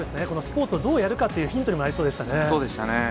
このスポーツをどうやるかというヒントにもなりそうでしたね。